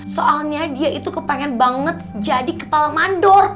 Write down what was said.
soalnya dia itu kepengen banget jadi kepala mandor